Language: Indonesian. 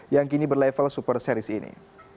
yang kini berlevel super series ini